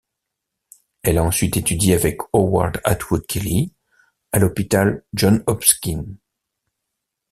Elle a ensuite étudié avec Howard Atwood Kelly, à l'hôpital Johns-Hopkins.